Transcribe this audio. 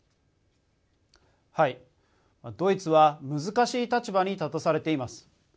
ドイツは難しい立場に立たされています。